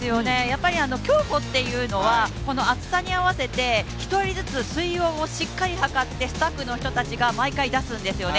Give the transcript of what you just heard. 競歩というのは暑さに合わせて１人ずつ水温をしっかり測って、１人ずつ出すんですよね。